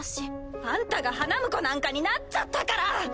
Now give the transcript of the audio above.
あんたが花婿なんかになっちゃったから！